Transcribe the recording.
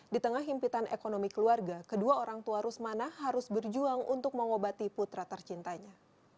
di tengah himpitan ekonomi keluarga kedua orang tua rusmana harus berjuang untuk mengobati putra tercintanya